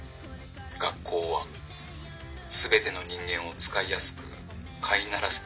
「学校は全ての人間を使いやすく飼いならすためにある」。